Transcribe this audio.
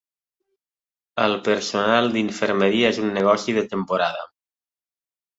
El personal d'infermeria és un negoci de temporada.